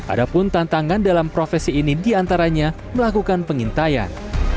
ada pun tantangan dalam profesi ini diantaranya melakukan pengintaian